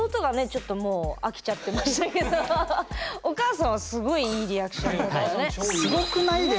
ちょっともう飽きちゃってましたけどお母さんはすごいいいリアクションだったね。